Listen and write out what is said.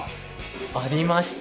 ありました、